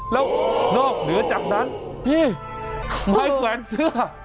แล้วนอกเหนือจากนั้นนี่ไม้แขวนเสื้อ